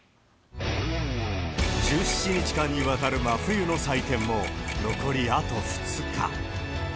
１７日間にわたる真冬の祭典も残りあと２日。